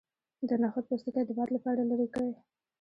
د نخود پوستکی د باد لپاره لرې کړئ